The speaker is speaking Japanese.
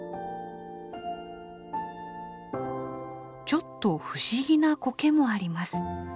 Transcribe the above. ちょっと不思議なコケもあります。